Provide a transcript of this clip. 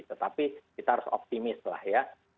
tetapi kita harus optimis lah ya